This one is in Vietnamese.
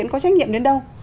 có trách nhiệm đến đâu